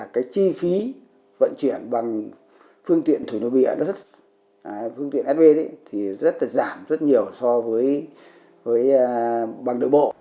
chi phí vận chuyển bằng phương tiện thủy nội biển phương tiện sb thì rất là giảm rất nhiều so với bằng đường bộ